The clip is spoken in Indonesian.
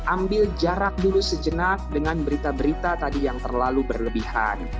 ambil jarak dulu sejenak dengan berita berita tadi yang terlalu berlebihan